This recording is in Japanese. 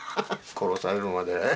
殺されるまでね。